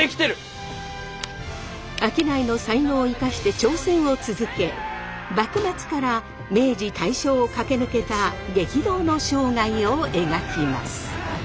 商いの才能を生かして挑戦を続け幕末から明治大正を駆け抜けた激動の生涯を描きます。